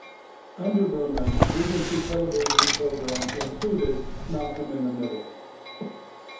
Under Berman, Regency Television's programs included "Malcolm in the Middle".